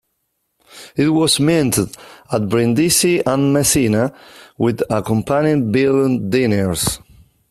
It was minted at Brindisi and Messina with accompanying billon deniers.